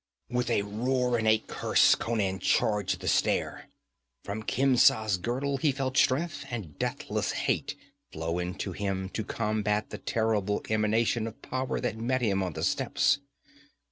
With a roar and a curse Conan charged the stair. From Khemsa's girdle he felt strength and deathless hate flow into him to combat the terrible emanation of power that met him on the steps.